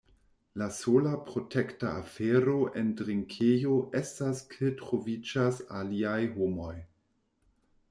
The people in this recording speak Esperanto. La sola protekta afero en drinkejo estas ke troviĝas aliaj homoj.